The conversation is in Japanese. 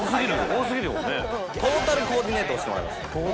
トータルコーディネートをしてもらいます